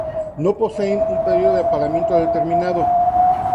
No poseen un período de apareamiento determinado.